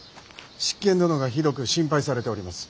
執権殿がひどく心配されております。